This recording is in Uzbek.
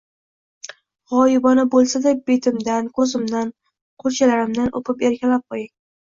G'oyibona bo'lsada, betimdan, ko'zimdan, qulchalarimdan o'pib erkalab qo'ying